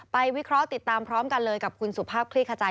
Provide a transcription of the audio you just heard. วิเคราะห์ติดตามพร้อมกันเลยกับคุณสุภาพคลี่ขจาย